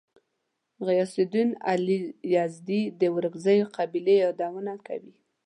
غیاث الدین علي یزدي د ورکزیو قبیلې یادونه کوي.